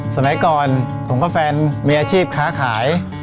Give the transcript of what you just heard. สมัยก่อนผมครอบครัวแฟนมีอาชีพค้าขาย